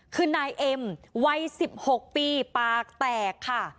คือนายเอ็มวัย๑๖ปีปากแตกค่ะ